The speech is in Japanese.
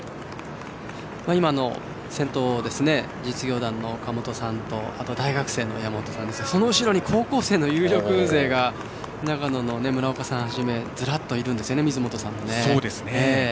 今、先頭の実業団の岡本さんと大学生の山本さんですがその後ろの高校生の有力勢が長野の村岡さんをはじめずらっといるんですね水本さんも。